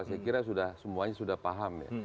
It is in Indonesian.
saya kira semuanya sudah paham ya